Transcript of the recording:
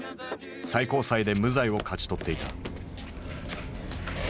最高裁で無罪を勝ち取っていた。